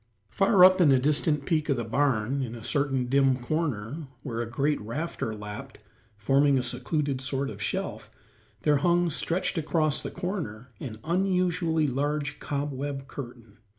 Far up in a distant peak of the barn, in a certain dim corner, where a great rafter lapped, forming a secluded sort of shelf, there hung, stretched across the corner, an unusually large cobweb curtain.